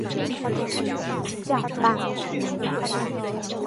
蹄较大。